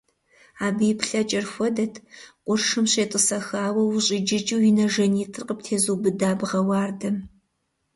Абы и плъэкӀэр хуэдэт къуршым щетӀысэхауэ ущӀиджыкӀыу и нэ жанитӀыр къыптезубыда бгъэ уардэм.